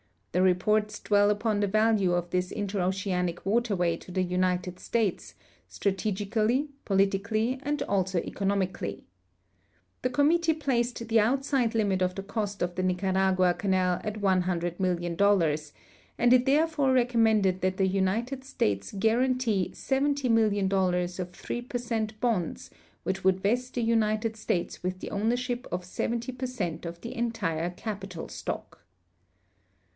The reports dwell upon the value of this interoceanic waterway to the United States, strategically, politically, and also econom ically. The committee })laced the outside limit of the cost of the Nicaragua canal at $100,000,000, and it therefore recommended that the United States guarantee $70,000,000 of 3 per cent bonds, which would vest the United States with the ownership of 70 })er cent of the entire capital stock.